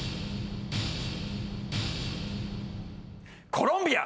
コロンビア！